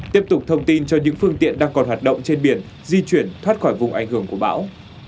tiếp tục thông tin cho những phương tiện đang còn hoạt động trên biển di chuyển thoát khỏi vùng ảnh hưởng của bão